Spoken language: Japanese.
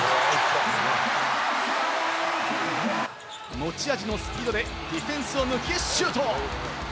持ち味のスピードでディフェンスを抜けシュート！